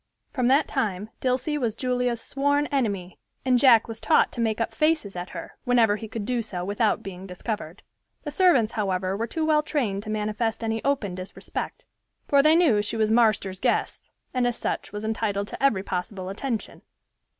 From that time Dilsey was Julia's sworn enemy, and Jack was taught to make up faces at her, whenever he could do so without being discovered. The servants, however, were too well trained to manifest any open disrespect, for they knew she was "marster's guest," and as such was entitled to every possible attention.